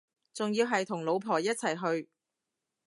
仲要係同老婆一齊去